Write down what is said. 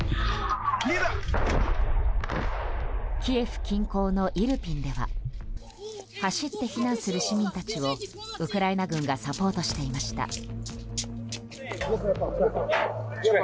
キエフ近郊のイルピンでは走って避難する市民たちをウクライナ軍がサポートしていました。